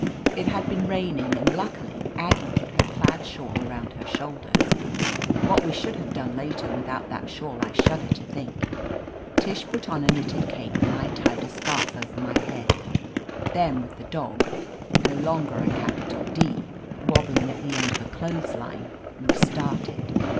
It had been raining, and luckily Aggie put her plaid shawl around her shoulders. What we should have done later without that shawl I shudder to think. Tish put on a knitted cape and I tied a scarf over my head. Then, with the dog — no longer a capital D — ^wobbling at the end of a clothes line, we started.